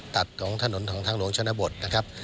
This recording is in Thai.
ตัดของถนนของทางหลวงชนบทนะครับ